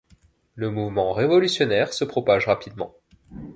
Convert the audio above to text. Le mouvement révolutionnaire se propage rapidement.